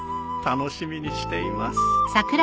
楽しみにしています。